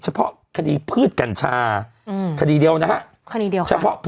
เฉพาะคดีพืชกัญชา